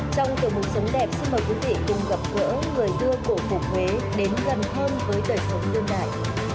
trong tờ một sống đẹp xin mời quý vị cùng gặp gỡ người đưa cổ phủ huế đến gần hơn với đời sống đương đại